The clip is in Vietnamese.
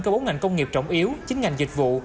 có bốn ngành công nghiệp trọng yếu chín ngành dịch vụ